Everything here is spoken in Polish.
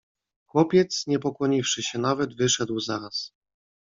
"Chłopiec, nie pokłoniwszy się nawet, wyszedł zaraz."